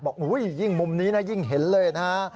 บอกอุ๊ยยิ่งมุมนี้นะ